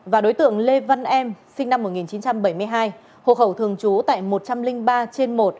và đối tượng lê văn em sinh năm một nghìn chín trăm bảy mươi hai hộ khẩu thường trú tại một trăm linh ba trên một